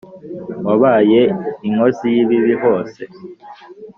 wabaye inkozi yibibi hose